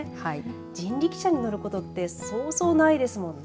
人力車に乗ることってそうそうないですもんね。